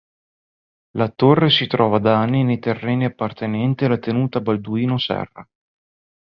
La Torre si trova da anni nei terreni appartenenti alla tenuta Balduino-Serra.